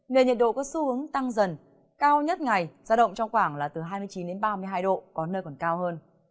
nền nhiệt độ có xu hướng tăng dần cao nhất ngày giao động trong khoảng là từ hai mươi chín ba mươi hai độ có nơi còn cao hơn